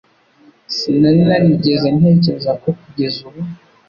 Sinari narigeze ntekereza ko kugeza ubu.